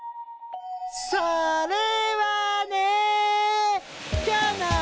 それはね。